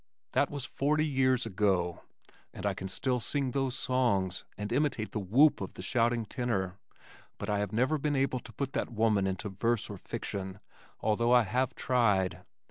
That was forty years ago, and I can still sing those songs and imitate the whoop of the shouting tenor, but I have never been able to put that woman into verse or fiction although I have tried.